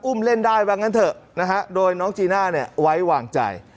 อุ้มเล่นได้บางอย่างเถอะโดยน้องจีน่าเนี่ยไว้วางใจ